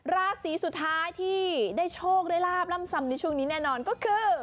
ราศีสุดท้ายที่ได้โชคได้ลาบล่ำซำในช่วงนี้แน่นอนก็คือ